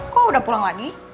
kok udah pulang lagi